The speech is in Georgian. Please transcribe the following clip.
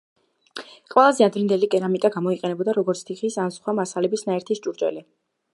ყველაზე ადრინდელი კერამიკა გამოიყენებოდა, როგორც თიხის ან სხვა მასალების ნაერთის ჭურჭელი.